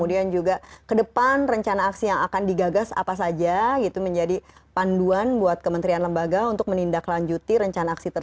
menjadi panduan buat kementerian lembaga untuk menindaklanjuti rencana aksi yang akan digagas apa saja gitu menjadi panduan buat kementerian lembaga untuk menindaklanjuti rencanakan aksi dan bantuan sudah terangkan persis ini ya